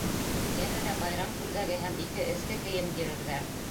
Йәнә лә байрам күлдәге һәм ике эске кейем бирерҙәр.